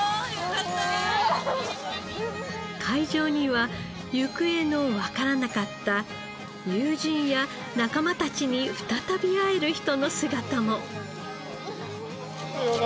会場には行方のわからなかった友人や仲間たちに再び会える人の姿も。